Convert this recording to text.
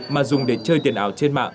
mà dùng để chơi tiền ảo trên mạng